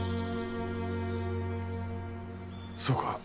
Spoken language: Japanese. そうか。